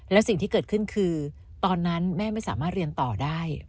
แล้วสิ่งที่เกิดขึ้นคือตอนนั้นแม่ไม่สามารถเรียนต่อได้